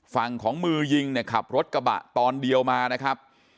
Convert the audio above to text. ฝั่งของมือยิงเนี่ยขับรถกระบะตอนเดียวมานะครับ